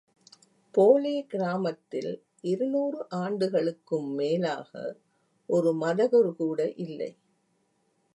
போலே கிராமத்தில் இருநூறு ஆண்டுகளுக்கும் மேலாக ஒரு மதகுரு கூட இல்லை.